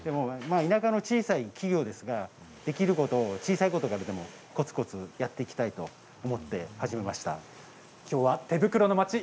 田舎の小さな企業ですができること、小さいことでもこつこつやっていきたいときょうは手袋の町